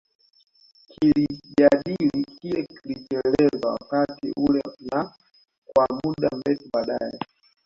Kilijadili kile kilichoelezwa wakati ule na kwa muda mrefu baadae